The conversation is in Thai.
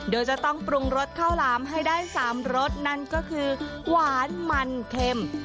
โดยจะต้องปรุงรสข้าวหลามให้ได้๓รสนั่นก็คือหวานมันเค็ม